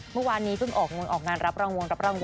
เมื่อวานนี้เพิ่งออกงานรับรางวัลรับรางวัล